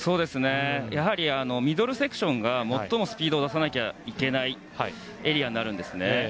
やはりミドルセクションが最もスピードを出さなきゃいけないエリアになるんですね。